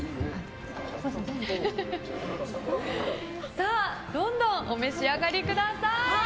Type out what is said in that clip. さあ、どんどんお召し上がりください。